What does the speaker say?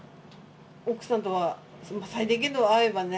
奥さんとは最低限度、会えばね。